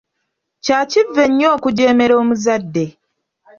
Kya kivve nnyo okujeemera omuzadde.